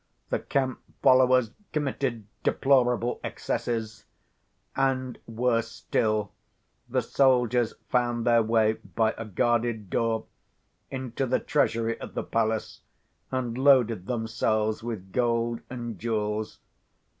The camp followers committed deplorable excesses; and, worse still, the soldiers found their way, by an unguarded door, into the treasury of the Palace, and loaded themselves with gold and jewels.